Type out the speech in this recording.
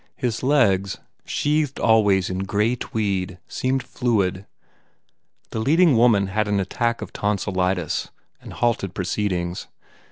His legs, sheathed always in grey tweed, seemed fluid. The leading woman had an attack of ton silitis and halted proceedings.